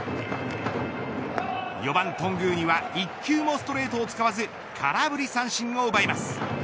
４番、頓宮には１球もストレートを使わず空振り三振を奪います。